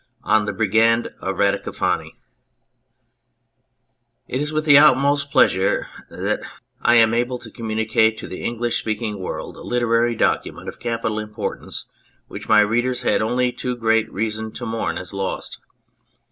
182 THE BRIGAND OF RADICOFANI IT is with the utmost pleasure that I am able to communicate to the English speaking world a literary document of capital importance which my readers had only too great reason to mourn as lost.